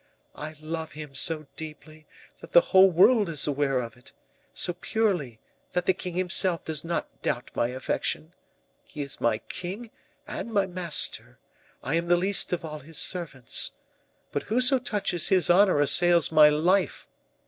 "I love him so deeply, that the whole world is aware of it; so purely, that the king himself does not doubt my affection. He is my king and my master; I am the least of all his servants. But whoso touches his honor assails my life.